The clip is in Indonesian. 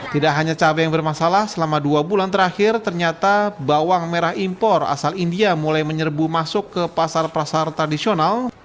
tidak hanya cabai yang bermasalah selama dua bulan terakhir ternyata bawang merah impor asal india mulai menyerbu masuk ke pasar pasar tradisional